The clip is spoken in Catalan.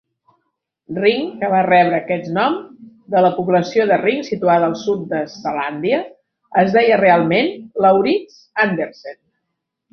Ring, que va rebre aquest nom de la població de Ring situada al sud de Selàndia, es deia realment Laurits Andersen.